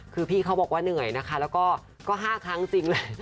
คือพี่เขาบอกว่าเหนื่อยนะคะแล้วก็๕ครั้งจริงแหละ